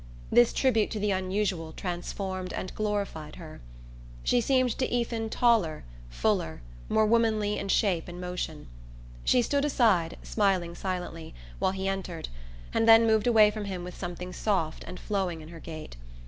This tribute to the unusual transformed and glorified her. She seemed to Ethan taller, fuller, more womanly in shape and motion. She stood aside, smiling silently, while he entered, and then moved away from him with something soft and flowing in her gait.